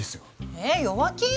えっ弱気？